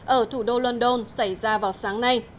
ở thủ đô london xảy ra vào sáng nay